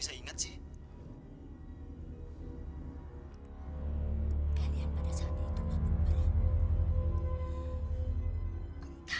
kalian mampu mampu didiskuti